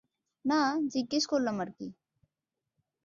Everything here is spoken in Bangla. না, জিজ্ঞেস করলাম আরকি!